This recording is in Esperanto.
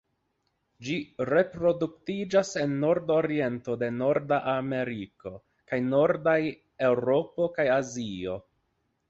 Ĝi reproduktiĝas en nordoriento de Norda Ameriko, kaj nordaj Eŭropo kaj Azio.